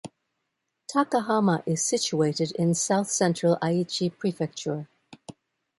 Takahama is situated in south-central Aichi Prefecture.